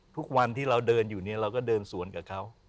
ทุกวันที่เราเดินอยู่เนี่ยเราก็เดินสวนกับเขา